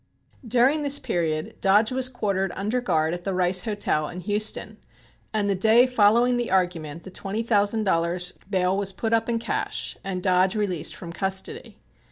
During this period Dodge was quartered under guard at the Rice Hotel in Houston, and the day following the argument the twenty thousand dollars bail was put up in cash and Dodge released from custody.